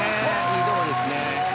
いいとこですね。